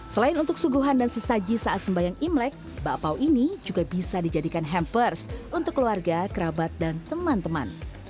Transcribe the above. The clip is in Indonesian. selain untuk suguhan dan sesaji saat sembayang imlek bakpao ini juga bisa dijadikan hampers untuk keluarga kerabat dan teman teman